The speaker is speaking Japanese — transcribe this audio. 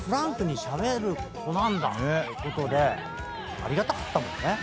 ありがたかったもんね。